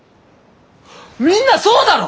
みんなそうだろ！